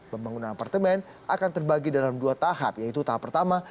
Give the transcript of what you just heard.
pembangunan apartemen akan terbagi dalam dua tahap yaitu tahap pertama